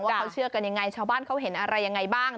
เขาเชื่อกันยังไงชาวบ้านเขาเห็นอะไรยังไงบ้าง